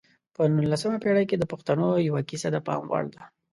په نولسمه پېړۍ کې د پښتنو یوه کیسه د پام وړ ده.